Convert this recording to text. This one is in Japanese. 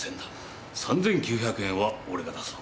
３，９００円はおれが出そう。